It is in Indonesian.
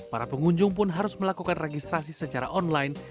para pengunjung pun harus melakukan registrasi secara online